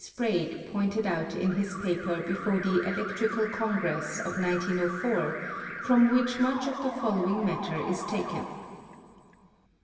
Sprague pointed out in his paper before the Electrical Congress of 1904, from which much of the following mat ter is taken.